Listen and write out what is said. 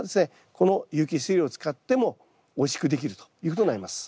この有機質肥料を使ってもおいしくできるということになります。